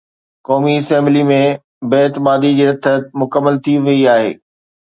قومي اسيمبلي ۾ بي اعتمادي جي رٿ مڪمل ٿي وئي آهي